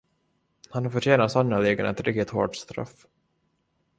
Han förtjänar sannerligen ett riktigt hårt straff.